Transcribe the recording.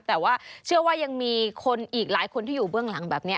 แต่ว่าเชื่อว่ายังมีคนอีกหลายคนที่อยู่เบื้องหลังแบบนี้